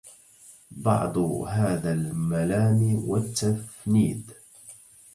بعض هذا الملام والتفنيد